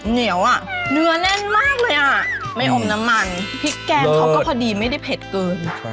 เหนียวอ่ะเนื้อแน่นมากเลยอ่ะไม่อมน้ำมันพริกแกงเขาก็พอดีไม่ได้เผ็ดเกิน